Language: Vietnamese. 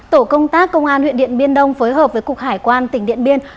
tổ công tác công an huyện điện biên đông phối hợp với cục hải quan tỉnh điện biên